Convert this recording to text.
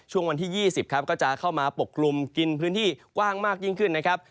วันที่๒๐ครับก็จะเข้ามาปกกลุ่มกินพื้นที่กว้างมากยิ่งขึ้นนะครับ